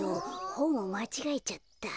ほんをまちがえちゃった。